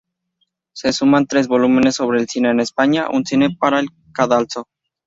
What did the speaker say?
Se suman tres volúmenes sobre el cine en España: "Un cine para el cadalso.